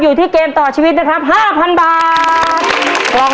หนึ่งล้านหนึ่งล้าน